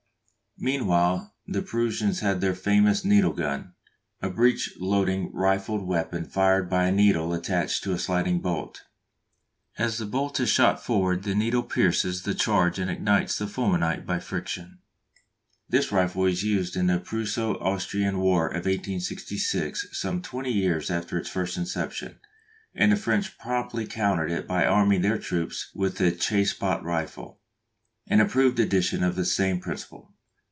Meanwhile the Prussians had their famous needle gun, a breech loading rifled weapon fired by a needle attached to a sliding bolt; as the bolt is shot forward the needle pierces the charge and ignites the fulminate by friction. This rifle was used in the Prusso Austrian war of 1866 some twenty years after its first inception, and the French promptly countered it by arming their troops with the Chassepôt rifle, an improved edition of the same principle.